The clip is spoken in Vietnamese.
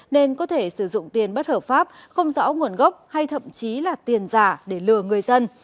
nên có thể sử dụng tiền bất hợp pháp không rõ nguồn gốc hay thậm chí là tiền giả để lừa người dân